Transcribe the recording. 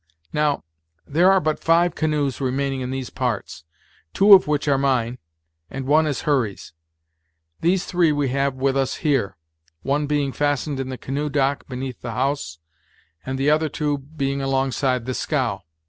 Now, there are but five canoes remaining in these parts, two of which are mine, and one is Hurry's. These three we have with us here; one being fastened in the canoe dock beneath the house, and the other two being alongside the scow.